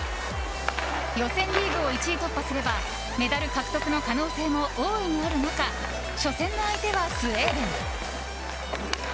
予選リーグを１位突破すればメダル獲得の可能性も大いにある中初戦の相手はスウェーデン。